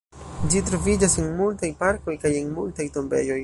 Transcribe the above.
Ĝi troviĝas en multaj parkoj kaj en multaj tombejoj.